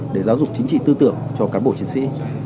để giáo dục chính sĩ tưởng cho cán bộ chiến sĩ